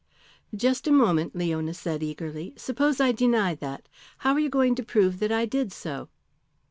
"Just a moment," Leona said eagerly. "Suppose I deny that. How are you going to prove that I did so?"